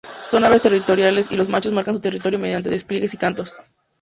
Son aves territoriales, y los machos marcan su territorio mediante despliegues y cantos.